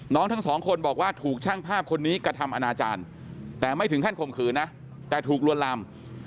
ทั้งสองคนบอกว่าถูกช่างภาพคนนี้กระทำอนาจารย์แต่ไม่ถึงขั้นข่มขืนนะแต่ถูกลวนลาม